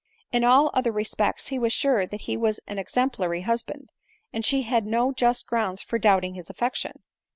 In all other re spects he was sure that he was an exemplary husband, and she had no just grounds for doubting his affection.